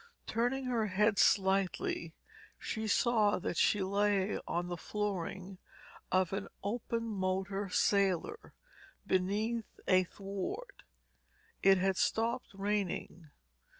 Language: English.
Turning her head slightly she saw that she lay on the flooring of an open motor sailor, beneath a thwart. It had stopped raining.